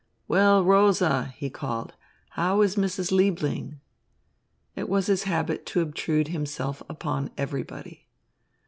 "Well, Rosa," he called, "how is Mrs. Liebling?" It was his habit to obtrude himself upon everybody.